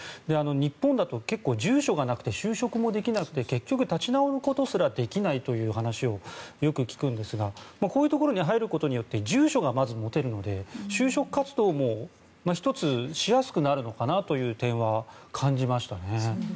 日本だと結構、住所がなくて就職もできなくて結局、立ち直ることすらできないという話をよく聞くんですがこういうところに入ることで住所がまず持てるので就職活動もしやすくなるのかなという点を感じましたね。